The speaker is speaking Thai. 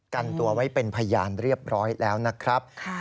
กันตัวไว้เป็นพยานเรียบร้อยแล้วนะครับ